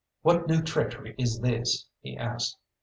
"What new treachery is this?" he asked.